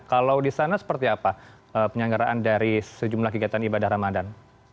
kalau di sana seperti apa penyelenggaraan dari sejumlah kegiatan ibadah ramadan